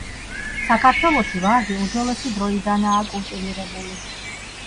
საქართველოში ვარდი უძველესი დროიდანაა კულტივირებული.